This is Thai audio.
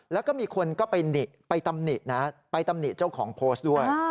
แล้วก็มีคนก็ไปตำหนินะไปตำหนิเจ้าของโพสต์ด้วย